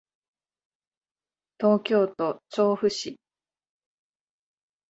東京都調布市